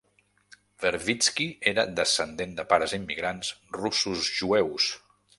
Verbitsky era descendent de pares immigrants russos-jueus.